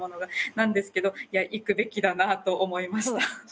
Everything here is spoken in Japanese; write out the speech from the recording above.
なんですけど行くべきだなと思いました。